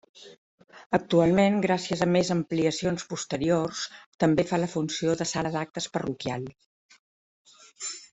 Actualment, gràcies a més ampliacions posteriors, també fa la funció de sala d'actes parroquial.